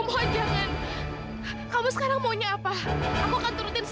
bangku selalu bikin kristen